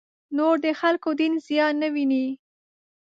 نور د خلکو دین زیان نه وویني.